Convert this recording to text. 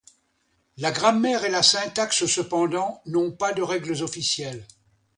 La grammaire et la syntaxe, cependant, n’ont pas de règles officielles.